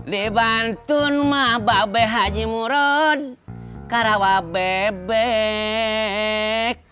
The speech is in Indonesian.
dibantun mah babay haji murun karawa bebek